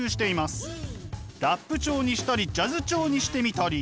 ラップ調にしたりジャズ調にしてみたり。